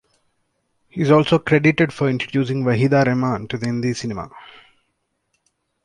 He is also credited for introducing Waheeda Rehman to the Hindi cinema.